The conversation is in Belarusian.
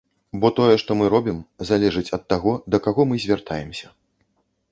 Бо тое, што мы робім, залежыць ад таго, да каго мы звяртаемся.